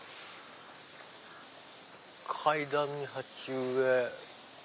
階段に鉢植え。